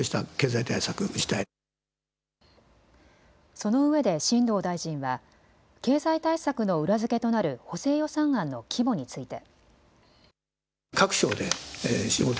そのうえで新藤大臣は経済対策の裏付けとなる補正予算案の規模について。